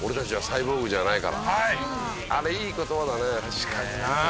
確かにな。